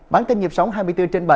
bản tin nhập sóng hai mươi bốn trên bảy